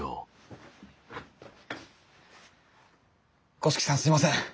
五色さんすみません。